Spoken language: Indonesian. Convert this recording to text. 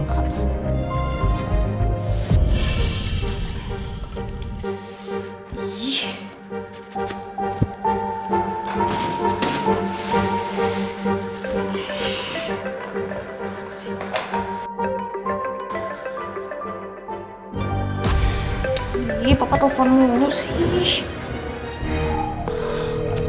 nggak ada mbak noodles belum sekilas